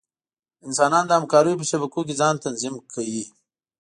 انسانان د همکاریو په شبکو کې ځان تنظیم کړل.